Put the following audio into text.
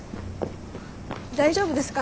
大丈夫ですか？